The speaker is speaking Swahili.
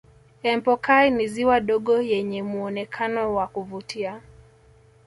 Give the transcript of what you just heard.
empokai ni ziwa dogo yenye muonekano wa kuvutia